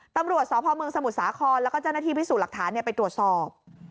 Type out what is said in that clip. ตำรวจสพเมืองสมุทรสาครแล้วก็เจ้าหน้าที่พิสูจน์หลักฐานไปตรวจสอบ